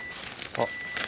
あっ。